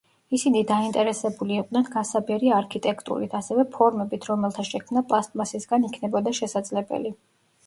ისინი დაინტერესებული იყვნენ „გასაბერი“ არქიტექტურით, ასევე ფორმებით, რომელთა შექმნა პლასტმასისგან იქნებოდა შესაძლებელი.